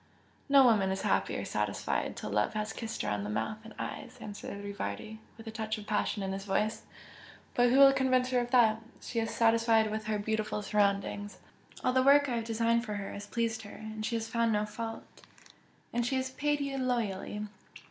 "No woman is happy or satisfied till love has kissed her on the mouth and eyes!" answered Rivardi, with a touch of passion in his voice, "But who will convince her of that? She is satisfied with her beautiful surroundings, all the work I have designed for her has pleased her, she has found no fault " "And she has paid you loyally!"